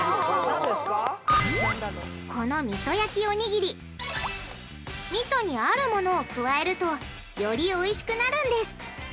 このみそ焼きおにぎりみそにあるものを加えるとよりおいしくなるんです。